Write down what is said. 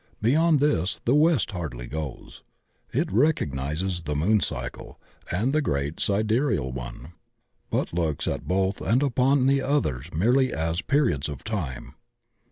Beyond this the West hardly goes. It recognizes die moon cycle and the great sidereal one, but looks at both and upon the others merely as pe riods of time.